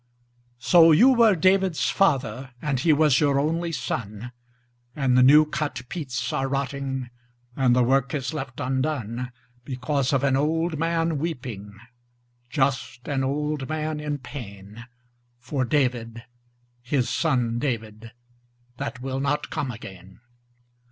lO you were David's father, And he was your only son, And the new cut peats are rotting And the work is left undone. Because of an old man weeping, Just an old man in pain. For David, his son David, That will not come again.